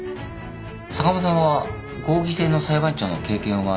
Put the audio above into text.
坂間さんは合議制の裁判長の経験はないでしょ。